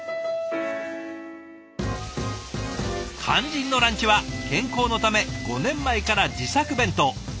肝心のランチは健康のため５年前から自作弁当。